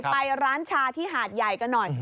ไปร้านชาที่หาดใหญ่กันหน่อย